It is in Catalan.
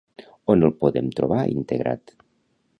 On el podem trobar integrat?